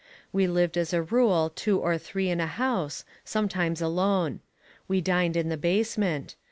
We lived as a rule two or three in a house, sometimes alone. We dined in the basement.